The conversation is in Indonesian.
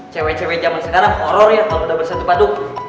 cewek cewek jaman sekarang horor ya kalo udah bersatu padu